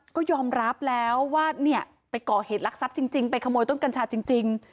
ก็ยอมรับแล้วว่าเนี่ยไปก่อเหตุลักษัพจริงไปขโมยต้นกัญชาจริง